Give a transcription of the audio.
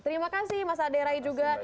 terima kasih mas ade rai juga